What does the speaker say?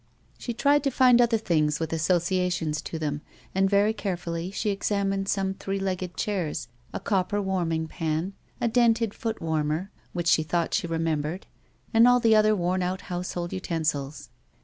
A WOMAN'S LIFE. 221 She tried to find other things with associations to them^ and very carefully she examined some three legged chairs, a copper warming pan, a dented foot warmer (which she thought she remembered) and all the other worn out house hold utensils.